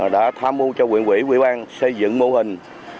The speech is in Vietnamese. đã tham mưu cho huyện quỹ huy băng xây dựng mô hình